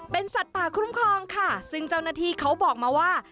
เป็นสัตว์ป่าคุ้มครองค่ะซึ่งเจ้าหน้าที่เขาบอกมาว่า